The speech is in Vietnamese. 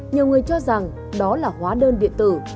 nhiều người cho rằng đó là hóa đơn điện tử